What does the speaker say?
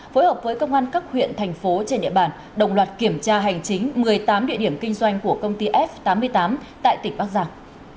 phối hợp với công an các huyện thành phố trên địa bàn đồng loạt kiểm tra hành chính một mươi tám địa điểm kinh doanh của công ty f tám mươi tám tại tỉnh bắc giang